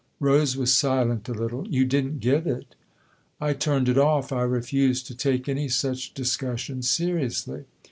'' Rose was silent a little. " You didn't give it ?'*" I turned it off I refused to take any such discussion seriously.